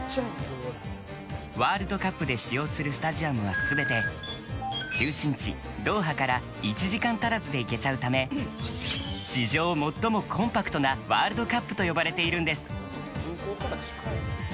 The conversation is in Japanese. ワールドカップで使用するスタジアムは全て中心地ドーハから１時間足らずで行けちゃうため史上最もコンパクトなワールドカップと呼ばれているんです。